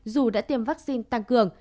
dù đã tiêm vaccine tăng cường